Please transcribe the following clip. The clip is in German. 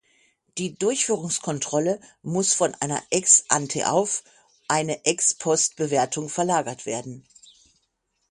Die Durchführungskontrolle muss von einer Ex-anteauf eine Ex-post-Bewertung verlagert werden.